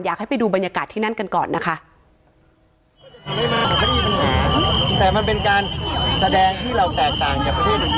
อยากให้ไปดูบรรยากาศที่นั่นกันก่อนนะคะ